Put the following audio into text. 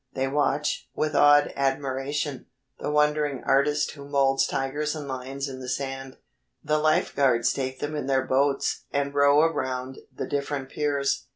They watch, with awed admiration, the wandering artist who moulds tigers and lions in the sand. The life guards take them in their boats and row around the different piers.